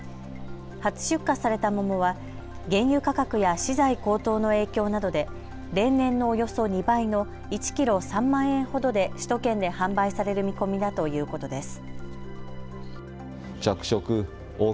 初出荷された桃は原油価格や資材高騰の影響などで例年のおよそ２倍の１キロ３万円ほどで首都圏で販売される見込みだということです。